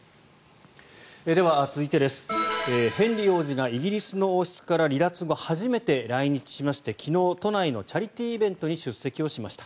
では、続いて、ヘンリー王子がイギリスの王室から離脱後初めて来日しまして昨日都内のチャリティーイベントに出席しました。